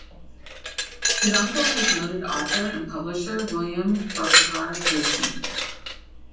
His uncle was noted author and publisher William Farquhar Payson.